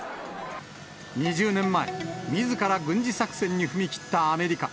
２０年前、みずから軍事作戦に踏み切ったアメリカ。